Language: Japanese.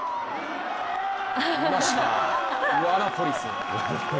いました、ワダポリス。